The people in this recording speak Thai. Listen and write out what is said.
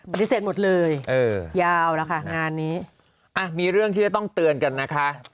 ปฏิเสธหมดเลยยาวแล้วค่ะงานนี้มีเรื่องที่จะต้องเตือนกันนะคะ